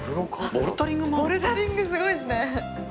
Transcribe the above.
ボルダリングすごいですね。